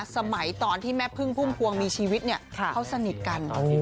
สมัยตอนที่แม่พึ่งพุ่มพวงมีชีวิตเนี่ยเขาสนิทกัน